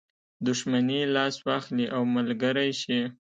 دښمني لاس واخلي او ملګری شي.